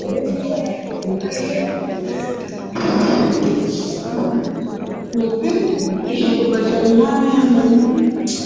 Makubaliano haya ni ya mwaka elfu moja mia tisa sabini na tisa na elfu moja mia tisa tisini na nne